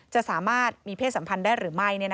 จะสามารถมีเพศสัมพันธ์ได้หรือไม่